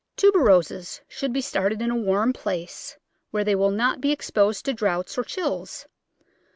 Tuberoses should be started in a warm place where they will not be exposed to draughts or chills.